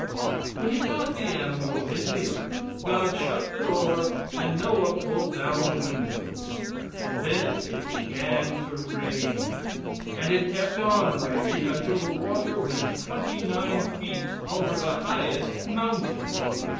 When he got the animals in the ark, God shut the door and Noah pulled down the window. And then it began to rain, and it kept on raining until the water went twenty nine feet over the highest mountain.